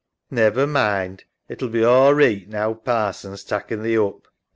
Never mind, it 'ull be all reeght now Parson's takjken thee oop.